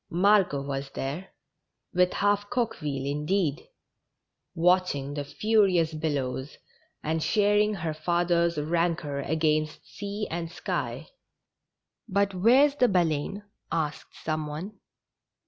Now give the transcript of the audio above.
Margot was there — with half Coqueville, indeed — watch ing the furious billows, and sharing her father's rancor against sea and sky. ''But where's the Baleine ?" asked some one.